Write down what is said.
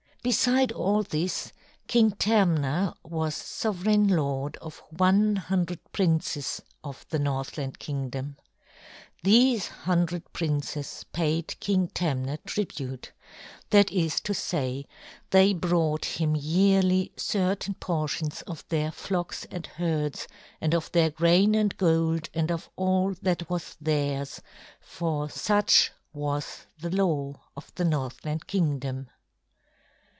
Beside all this, King Tamna was sovereign lord of one hundred princes of the Northland Kingdom. These hundred princes paid King Tamna tribute; that is to say, they brought him yearly certain portions of their flocks and herds and of their grain and gold and of all that was theirs, for such was the law of the Northland Kingdom.